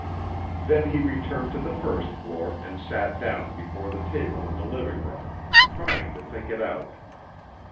Then he returned to the first floor and sat down before the table in the living room, trying to think it out.